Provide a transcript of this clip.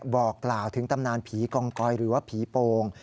บอกกล่าวถึงตำนานผีกองกอยหรือว่าผีโป่ง